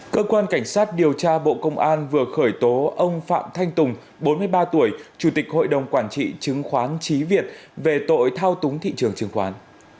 cơ quan cảnh sát điều tra bộ công an vừa khởi tố ông phạm thanh tùng bốn mươi ba tuổi chủ tịch hội đồng quản trị chứng khoán trí việt về tội thao túng thị trường chứng khoán